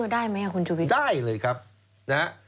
ได้ไหมคุณชุวิตได้เลยครับนะฮะ